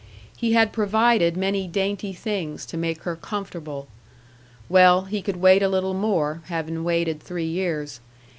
He had provided many dainty things to make her comfortable. Well, he could wait a little more, having waited three years.